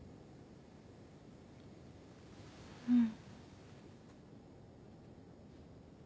うん。